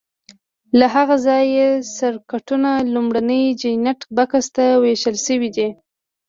له هغه ځایه سرکټونو لومړني جاینټ بکس ته وېشل شوي دي.